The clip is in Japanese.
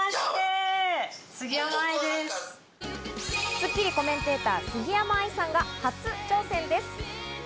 『スッキリ』コメンテーター、杉山愛さんが初挑戦です。